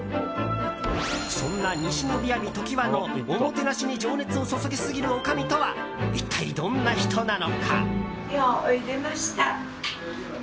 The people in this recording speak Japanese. そんな西の雅常盤のおもてなしに情熱を注ぎすぎるおかみとは一体どんな人なのか？